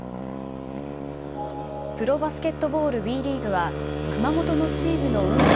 プロバスケットボールＢリーグは、熊本のチームの運営